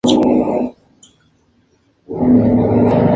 Tolkien dijo que sus historias se desarrollaron a partir de sus idiomas.